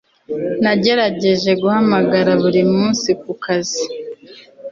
nagerageje guhamagara buri munsi kukazi